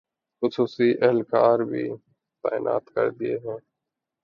خصوصی اہلکار بھی تعینات کردیئے ہیں